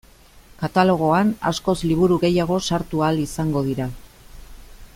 Katalogoan askoz liburu gehiago sartu ahal izango dira.